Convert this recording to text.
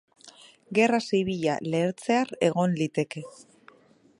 Gerra zibila lehertzear egon liteke.